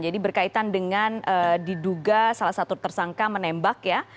jadi berkaitan dengan diduga salah satu tersangka menembak ya